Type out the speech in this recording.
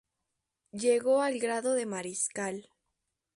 Llegó al grado de mariscal.